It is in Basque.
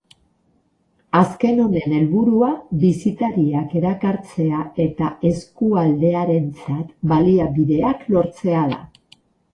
Azken honen helburua bisitariak erakartzea eta eskualdearentzat baliabideak lortzea da.